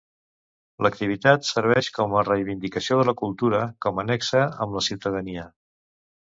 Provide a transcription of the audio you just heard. L'activitat serveix com a reivindicació de la cultura com a nexe amb la ciutadania.